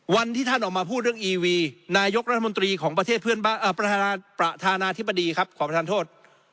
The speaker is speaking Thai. วันที่ท่านออกมาพูดเรื่องอีวีนายกรัฐมนตรีของประธานาธิบดีของประธานโทษ